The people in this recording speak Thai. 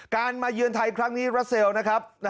มาเยือนไทยครั้งนี้รัสเซลนะครับ